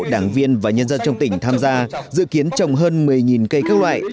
đảng viên và nhân dân trong tỉnh tham gia dự kiến trồng hơn một mươi cây các loại